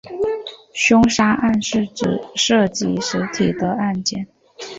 凶杀案是指涉及死体的案件。